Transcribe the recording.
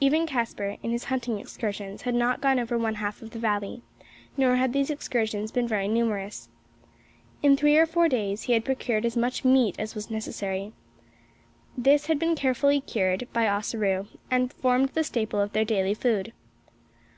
Even Caspar, in his hunting excursions, had not gone over one half of the valley; nor had these excursions been very numerous. In three or four days he had procured as much meat as was necessary. This had been carefully cured by Ossaroo, and formed the staple of their daily food.